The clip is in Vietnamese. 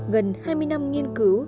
gần hai mươi năm nghiên cứu